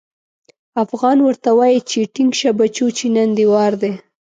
افغان ورته وايي چې ټينګ شه بچو چې نن دې وار دی.